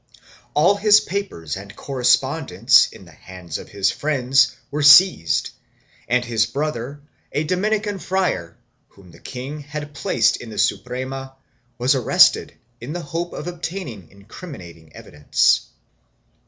All his papers and correspondence in the hands of his friends were seized and his brother, a Dominican fraile, whom the king had placed in the Suprema, was arrested in the hope of obtaining incriminating evidence.